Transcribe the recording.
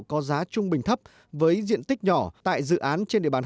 có giá trung bình thấp với diện tích nhỏ tại dự án trên địa bàn hà nội